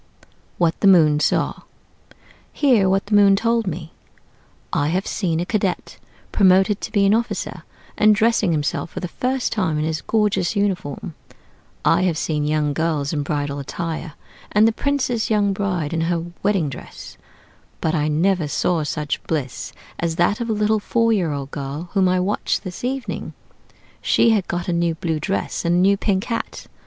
WHAT THE MOON SAW Hear what the Moon told me: "I have seen a cadet promoted to be an officer, and dressing himself for the first time in his gorgeous uniform; I have seen young girls in bridal attire, and the prince's young bride in her wedding dress: but I never saw such bliss as that of a little four year old girl whom I watched this evening. She had got a new blue dress, and a new pink hat.